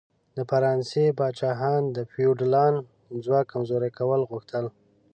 د فرانسې پاچاهان د فیوډالانو ځواک کمزوري کول غوښتل.